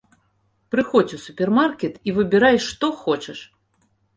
Прыходзь у супермаркет і выбірай, што хочаш.